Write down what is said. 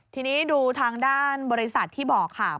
ทีนี้ดูทางด้านบริษัทที่บอกค่ะ